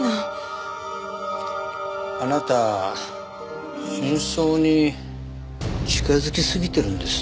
あなた真相に近づきすぎてるんです。